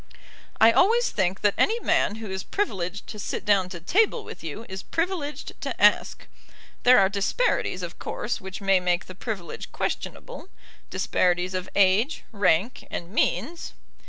"I always think that any man who is privileged to sit down to table with you is privileged to ask. There are disparities of course which may make the privilege questionable, disparities of age, rank, and means."